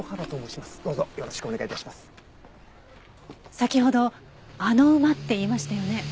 先ほど「あの馬」って言いましたよね。